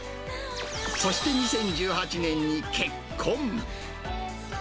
そして２０１８年に結婚。